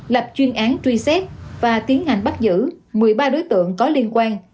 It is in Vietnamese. lập chuyên án truy xét và tiến hành bắt giữ một mươi ba đối tượng có liên quan